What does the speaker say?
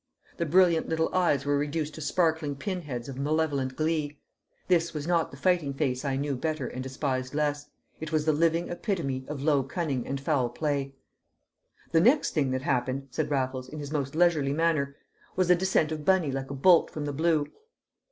The brilliant little eyes were reduced to sparkling pinheads of malevolent glee. This was not the fighting face I knew better and despised less, it was the living epitome of low cunning and foul play. "The next thing that happened," said Raffles, in his most leisurely manner, "was the descent of Bunny like a bolt from the blue."